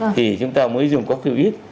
thì chúng ta mới dùng quốc tịch quýt